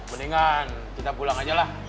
mendingan kita pulang aja lah